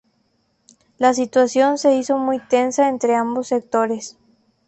La situación se hizo muy tensa entre ambos sectores.